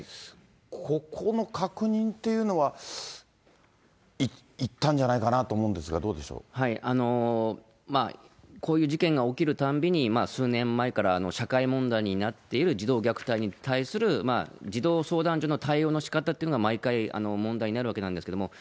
ここの確認っていうのはいったんじゃないかなと思うんですが、どこういう事件が起きるたんびに、数年前から社会問題になっている、児童虐待に対する児童相談所の対応のしかたっていうのが毎回問題になるわけなんですけれども。